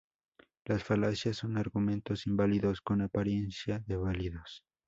Las falacias son argumentos inválidos con apariencia de válidos.